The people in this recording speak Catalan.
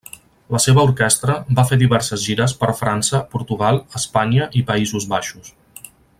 La seva orquestra va fer diverses gires per França, Portugal, Espanya i Països Baixos.